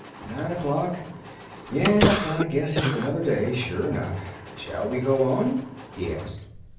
"Nine o'clock. Yes, I guess it's another day, sure enough. Shall we go on?" he asked.